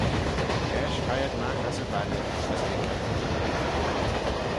Eisht hie ad magh ass y valley as haink ad huggey.